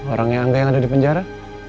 orang yang ada di penjara